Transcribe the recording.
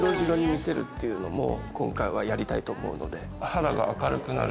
っていうのも今回はやりたいと思うので。